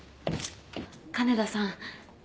金田さん